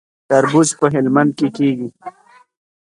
تربوز په هلمند کې کیږي